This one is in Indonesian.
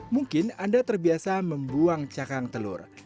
mungkin anda terbiasa membuang cakang telur